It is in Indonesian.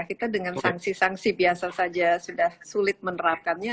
kita dengan sanksi sanksi biasa saja sudah sulit menerapkannya